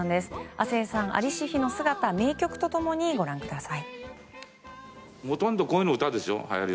亜星さん在りし日の姿名曲と共にご覧ください。